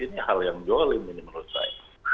ini hal yang zolim menurut saya